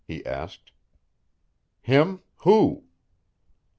he asked. "Him? Who?"